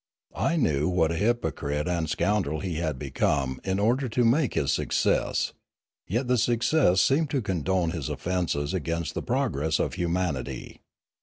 I knew what a hypo crite afld scoundrel he had become in order to make his success, yet the success seemed to condone his offences against the progress of humanity.